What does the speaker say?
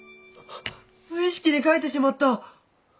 無意識に書いてしまった！